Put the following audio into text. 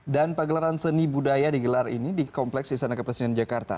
dan pagelaran seni budaya digelar ini di kompleks istana kepresidenan jakarta